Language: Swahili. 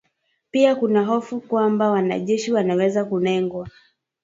Pia kuna hofu kwamba wanajeshi wanaweza kulengwa